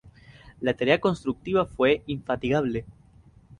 La tarea constructiva fue infatigable.